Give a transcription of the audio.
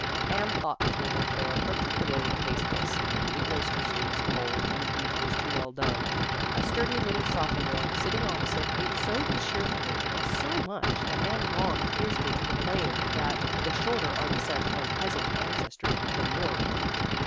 Anne thought the table fare particularly tasteless : the oyster stew was cold and the beef was too well done. A sturdy little sophomore, sitting opposite, ate so cheer fully and so much that Anne longed fiercely to proclaim that, the shorter our descent from peasant ancestry, the more we eat.